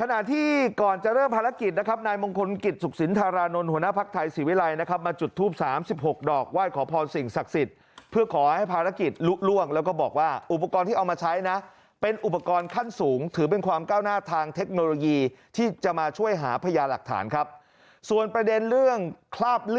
ขณะที่ก่อนจะเริ่มภารกิจนะครับนายมงคลกิจสุขสินธารานนท์หัวหน้าภักดิ์ไทยศรีวิรัยนะครับมาจุดทูป๓๖ดอกไหว้ขอพรสิ่งศักดิ์สิทธิ์เพื่อขอให้ภารกิจลุล่วงแล้วก็บอกว่าอุปกรณ์ที่เอามาใช้นะเป็นอุปกรณ์ขั้นสูงถือเป็นความก้าวหน้าทางเทคโนโลยีที่จะมาช่วยหาพญาหลักฐานครับส่วนประเด็นเรื่องคราบล